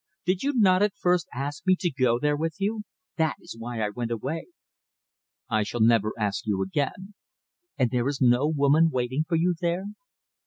Did you not at first ask me to go there with you? That is why I went away." "I shall never ask you again." "And there is no woman waiting for you there?"